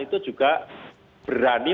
itu juga berani